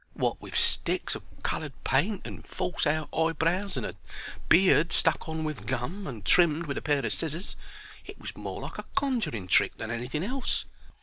Wot with sticks of coloured paint, and false eyebrows, and a beard stuck on with gum and trimmed with a pair o' scissors, it was more like a conjuring trick than anything else.